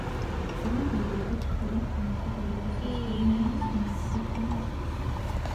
რომბები თეთრ ფერად ინთება, როდესაც გერმანიის ნაკრები თამაშობს.